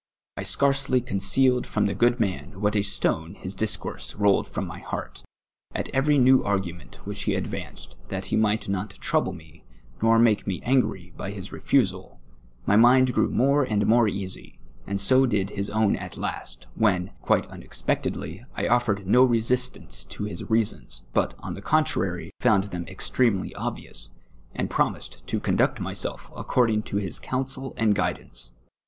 I scarcely concealed from the ^ood man what a stone his dis course rolled from my heart ; at every new ar<z:ument which he advanced, that he miij;ht not trouble mc nor make mc autrry by his refusal, mv mind <jrewmore and more easy, and so did lus own at last, when, quite unexpectedly, I otfered no resist ance to his reasons, but, on the contrary, found them exti'cmely obvious, and promised to conduct myself accordiuG^ to his counsel and giddance.